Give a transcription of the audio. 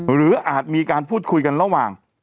อาจมีการพูดคุยกันระหว่าง